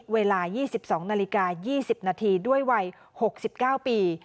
เวลายี่สิบสองนาฬิกายี่สิบนาทีด้วยวัยหกสิบเก้าปี